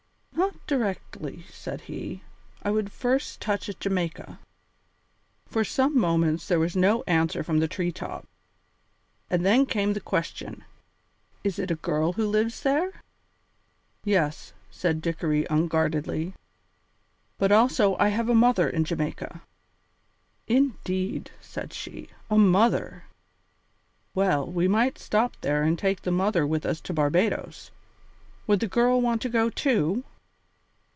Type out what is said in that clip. "Not directly," said he. "I would first touch at Jamaica." For some moments there was no answer from the tree top, and then came the question: "Is it a girl who lives there?" "Yes," said Dickory unguardedly, "but also I have a mother in Jamaica." "Indeed," said she, "a mother! Well, we might stop there and take the mother with us to Barbadoes. Would the girl want to go too?"